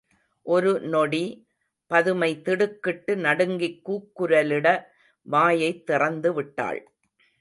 ஒரு நொடி, பதுமை திடுக்கிட்டு நடுங்கிக் கூக்குரலிட வாயைத் திறந்துவிட்டாள்.